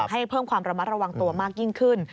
ให้เพิ่มความระมัดระวังตัวมากยิ่งขึ้น